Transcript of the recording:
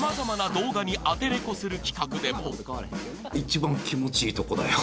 一番気持ちいいとこだよ。